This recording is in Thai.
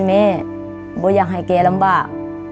ไม่อยากให้เก๊ลำบาก